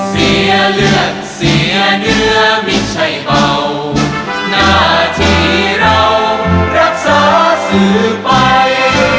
เสียเลือดเสียเนื้อไม่ใช่เบาหน้าที่เรารักษาสื่อไป